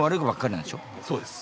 そうです。